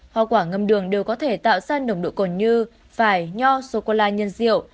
hoa quả ngâm đường đều có thể tạo ra nồng độ cồn như phải nho sô cô la nhân rượu